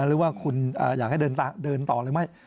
หรือว่าคุณอยากให้เดินต่อหรือไม่